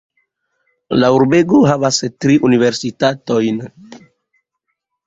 La urbego havas tri universitatojn.